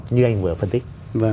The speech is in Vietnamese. như anh vừa phân tích